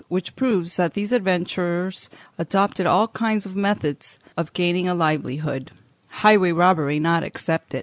373), which proves that these adventurers adopted all kinds of methods of gaining a livelihood, highway robbery not excepted.